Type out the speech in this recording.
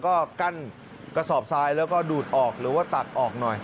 ก็กั้นกระสอบทรายแล้วก็ดูดออกหรือว่าตักออกหน่อย